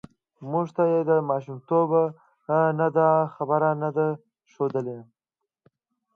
موږ ته یې له ماشومتوب نه دا خبره نه ده ښودلې